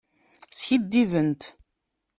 Skidibent.